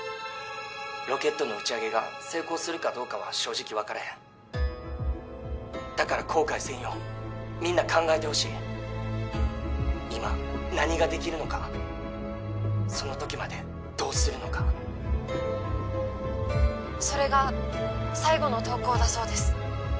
ロケットの打ち上げが成功するかどうかは正直分からへんだから後悔せんようみんな考えてほしい今何ができるのかその時までどうするのか☎それが最後の投稿だそうです